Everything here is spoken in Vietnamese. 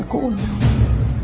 thế lần cuối cùng thì